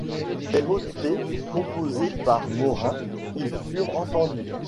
Des motets composés par Morin y furent entendus.